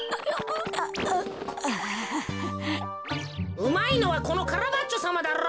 うまいのはこのカラバッチョさまだろ！